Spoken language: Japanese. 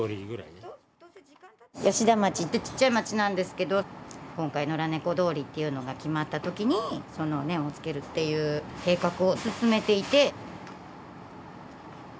吉田町ってちっちゃい町なんですけど今回ノラねこ通りというのが決まった時にそのネオンをつけるっていう計画を進めていて。